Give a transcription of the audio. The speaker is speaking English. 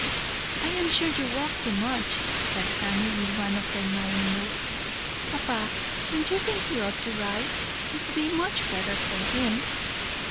"'I am sure you walk too much,' said Fanny, with one of her knowing looks. 'Papa, don't you think he ought to ride? it would be much better for him.'